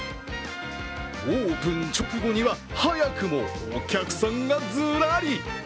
オープン直後には早くもお客さんがずらり。